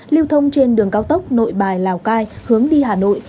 lưu thông trên đường cao tốc nội bài lào cai hướng đi hà nội